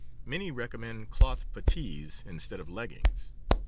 Many recommend cloth puttees instead of leggings.